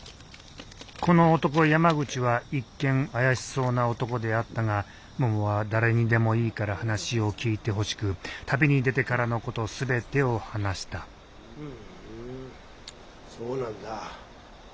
この男山口は一見怪しそうな男であったがももは誰にでもいいから話を聞いてほしく旅に出てからのこと全てを話したふんそうなんだ。